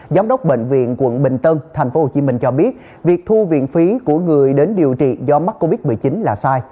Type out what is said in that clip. giám đốc bệnh viện quận bình tân tp hcm cho biết việc thu viện phí của người đến điều trị do mắc covid một mươi chín là sai